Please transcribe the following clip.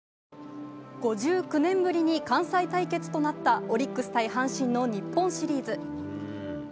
５９年ぶりに関西対決となったオリックス対阪神の日本シリーズ。